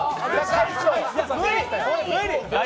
無理！